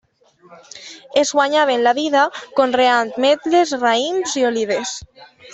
Es guanyaven la vida conreant ametlles, raïms i olives.